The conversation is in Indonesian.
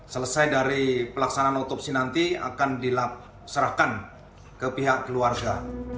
selesai dari pelaksanaan otopsi nanti akan diserahkan ke pihak keluarga